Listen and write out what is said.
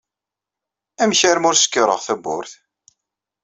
Amek armi ur skiṛeɣ tawwurt?